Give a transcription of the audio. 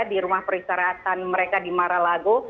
di rumah peristirahatan mereka di mar a lago